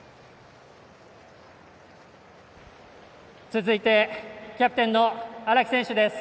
続いてキャプテンの荒木選手です。